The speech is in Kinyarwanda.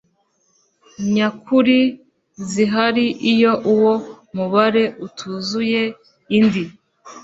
nyakuri zihari iyo uwo mubare utuzuye indi